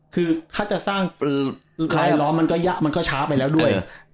คือถ้าจะสร้างคลายล้อมมันก็ยากมันก็ช้าไปแล้วด้วย